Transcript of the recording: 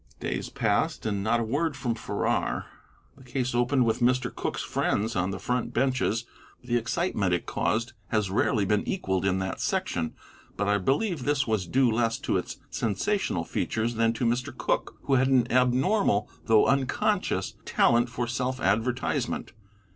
Days passed, and not a word from Farrar. The case opened with Mr. Cooke's friends on the front benches. The excitement it caused has rarely been equalled in that section, but I believe this was due less to its sensational features than to Mr. Cooke, who had an abnormal though unconscious talent for self advertisement.